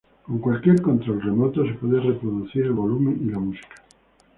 Con cualquier control remoto se puede reproducir el volumen y la música.